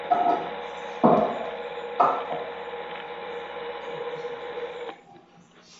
Epuka kuchanganya makundi ya mifugo